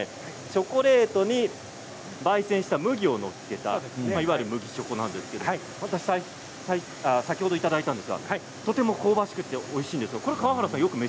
チョコレートにばい煎した麦を載せたいわゆる麦チョコなんですけれども先ほどいただいたんですがとても香ばしくておいしいです。